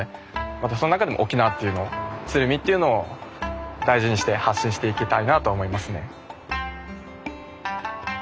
またその中でも沖縄っていうのを鶴見っていうのを大事にして発信していきたいなとは思いますね。